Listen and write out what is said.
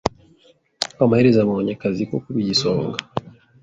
Amaherezo yabonye akazi ko kuba igisonga.